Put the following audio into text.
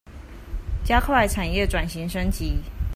加快產業轉型升級